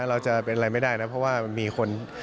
เราจะเป็นอะไรไม่ได้นะเพราะว่ามันมีคน